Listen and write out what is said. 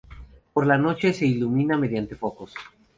Por la noche, se ilumina mediante focos.